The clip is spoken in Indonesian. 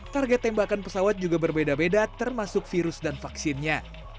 target tembakan pesawat juga berbeda beda termasuk virus dan vaksinnya